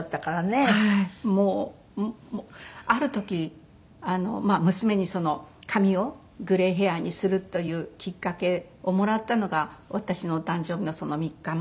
ある時娘に髪をグレーヘアにするというきっかけをもらったのが私のお誕生日の３日前。